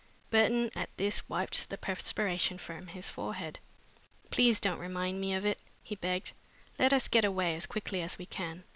Burton, at this, wiped the perspiration from his forehead. "Please don't remind me of it," he begged. "Let us get away as quickly as we can."